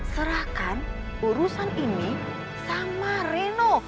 serahkan urusan ini sama reno